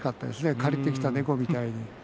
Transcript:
借りてきた猫みたいに。